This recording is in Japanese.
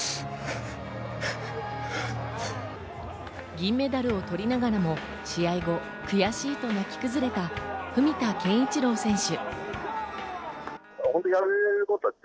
銀メダルを取りながらも、試合後、悔しいと泣き崩れた文田健一郎選手。